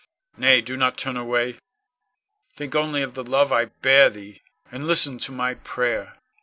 Nay, do not turn away, think only of the love I bear thee, and listen to my prayer.